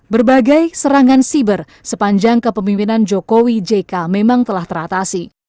berbagai serangan siber sepanjang kepemimpinan jokowi jk memang telah teratasi